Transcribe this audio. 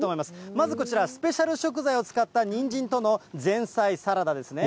まずこちら、スペシャル食材を使ったにんじんとの前菜サラダですね。